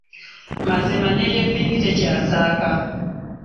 Mazima n'ey'evviivi tekyasaka.